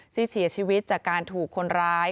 ที่เสียชีวิตจากการถูกคนร้าย